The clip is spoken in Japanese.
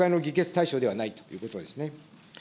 つまり国会の議決対象ではないということですね。